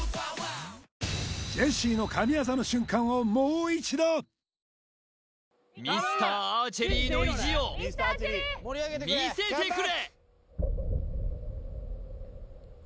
ジェシーの神業の瞬間をもう一度ミスターアーチェリーの意地を見せてくれ！